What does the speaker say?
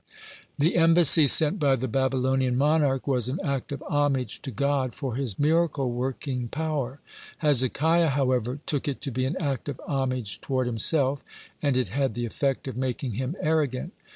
(83) The embassy sent by the Babylonian monarch was an act of homage to God for his miracle working power. Hezekiah, however, took it to be an act of homage toward himself, and it had the effect of making him arrogant.